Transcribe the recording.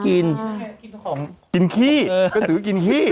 กินของกินขี้ก็ถือกินขี้